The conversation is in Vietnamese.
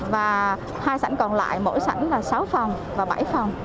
và hai sảnh còn lại mỗi sảnh là sáu phòng và bảy phòng